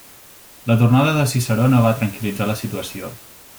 La tornada de Ciceró no va tranquil·litzar la situació.